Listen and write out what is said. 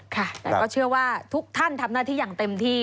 ค่ะแต่ก็เชื่อว่าทุกท่านทำหน้าที่อย่างเต็มที่